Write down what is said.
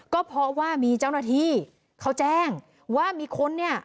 ก็เพราะว่ามีเจ้าหน้าที่เขาแจ้งว่ามีคนเนี่ย